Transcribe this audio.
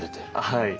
はい。